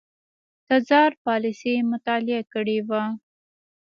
تزار پالیسي مطالعه کړې وه.